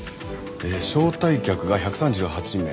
招待客が１３８名。